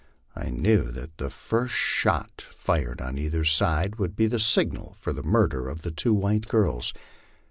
I knew that the first shot fired on either side would be the signal for the murder of the two white girls.